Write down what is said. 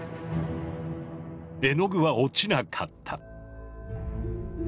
絵の具は落ちなかった。